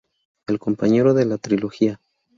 El compañero de la trilogía.